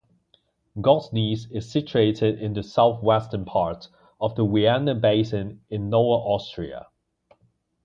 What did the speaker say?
Gloggnitz is situated in the south-western part of the Vienna Basin in Lower Austria.